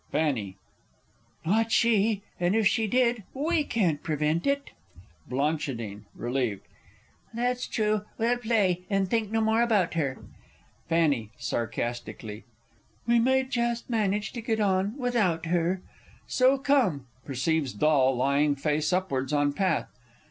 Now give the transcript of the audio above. F. Not she! And, if she did, we can't prevent it. Bl. (relieved). That's true we'll play, and think no more about her. F. (sarcastically). We may just manage to get on without her! So come (_Perceives doll lying face upwards on path.